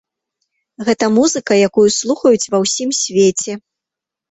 Гэта музыка, якую слухаюць ва ўсім свеце.